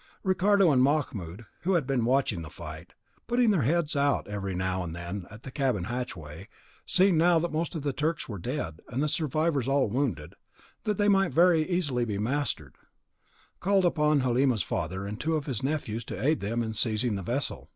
Ricardo and Mahmoud, who had been watching the fight, putting their heads out every now and then at the cabin hatchway, seeing now that most of the Turks were dead, and the survivors all wounded, and that they might very easily be mastered, called upon Halima's father and two of his nephews to aid them in seizing the vessel.